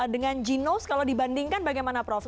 dengan g nose kalau dibandingkan bagaimana prof